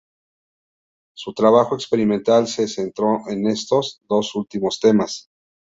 Su trabajo experimental se centró en estos dos últimos temas.